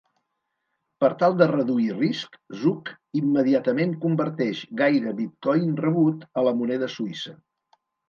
Per tal de reduir risc, Zug immediatament converteix gaire bitcoin rebut a la moneda suïssa.